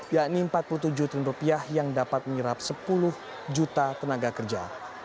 yakni rp empat puluh tujuh triliun yang dapat menyerap sepuluh juta tenaga kerja